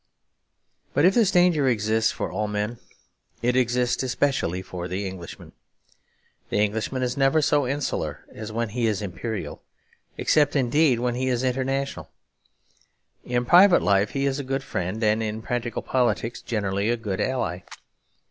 But if this danger exists for all men, it exists especially for the Englishman. The Englishman is never so insular as when he is imperial; except indeed when he is international. In private life he is a good friend and in practical politics generally a good ally.